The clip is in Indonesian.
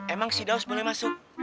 emang si daus boleh masuk